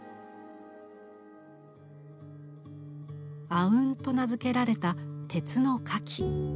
「阿吽」と名付けられた鉄の花器。